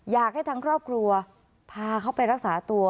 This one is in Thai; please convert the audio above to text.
อยากให้ทางครอบครัวพาเขาไปรักษาตัว